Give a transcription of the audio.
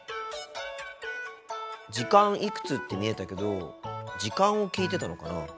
「時間いくつ」って見えたけど時間を聞いてたのかな？